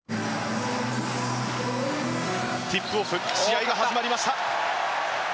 ティップオフ試合が始まりました。